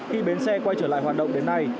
khi bến xe quay trở lại hoạt động đến nay